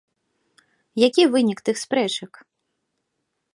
Які вынік тых спрэчак?